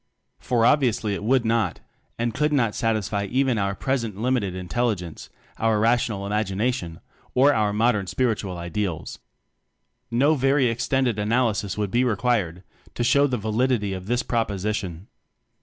For obviously it would not and could not satisfy even our present limited intel ligence, our rational imagination, or our modern spiritual ideals. No very extended analysis would be required to show the validity of this proposition.